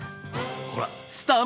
ほら！